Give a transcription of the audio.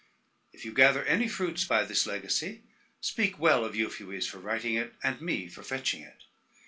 If you gather any fruits by this Legacy, speak well of Euphues for writing it, and me for fetching it.